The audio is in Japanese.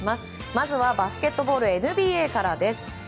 まずはバスケットボールＮＢＡからです。